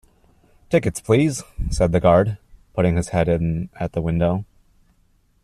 ‘Tickets, please!’ said the Guard, putting his head in at the window.